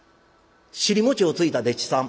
尻餅をついた丁稚さん